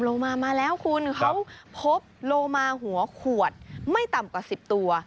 โลมามาแล้วคุณเขาพบโลมาหัวขวดไม่ต่ำกว่า๑๐ตัว